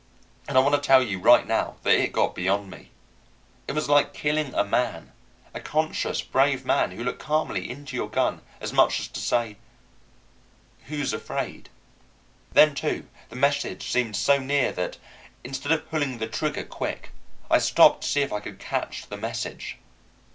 And I want to tell you right now that it got beyond me. It was like killing a man, a conscious, brave man who looked calmly into your gun as much as to say, "Who's afraid?" Then, too, the message seemed so near that, instead of pulling the trigger quick, I stopped to see if I could catch the message.